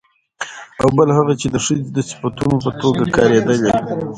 او بل هغه چې د ښځې د صفتونو په توګه کارېدلي